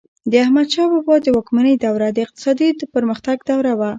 د احمدشاه بابا د واکمنۍ دوره د اقتصادي پرمختګ دوره وه.